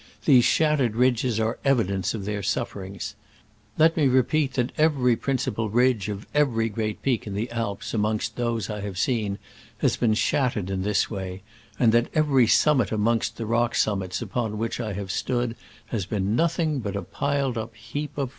These shattered ridges are evidence of their suf ferings. Let me repeat that every prin cipal ridge of every great peak in the Alps amongst those I have seen has been shattered in this way, and that evt^ry iiuinmit amongst the r o c k ' s u m m [ t s upon w hi c h I hiive sttHid has PART OF THE NORTHERN RIDGE OF THE GRAND CORNIER.